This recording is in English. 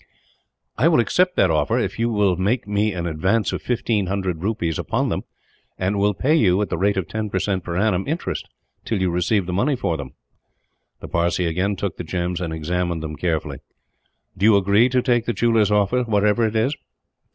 "I will accept that offer, if you will make me an advance of fifteen hundred rupees upon them; and will pay you, at the rate of ten percent per annum, interest till you receive the money for them." The Parsee again took the gems, and examined them carefully. "Do you agree to take the jeweller's offer, whatever it is?"